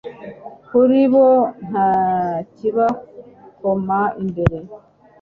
kuri bo nta kibakoma imbere